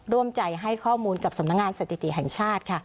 ร่วมใจให้ข้อมูลกับสำนักงานสถิติแห่งชาติค่ะ